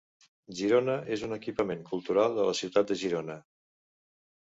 Girona és un equipament cultural de la ciutat de Girona.